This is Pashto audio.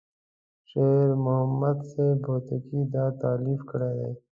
شیر محمد صاحب هوتکی دا تألیف کړی دی.